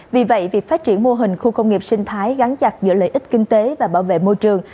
vì vậy việc phát triển mô hình khu công nghiệp sinh thái gắn chặt giữa lợi ích kinh tế và bảo vệ môi trường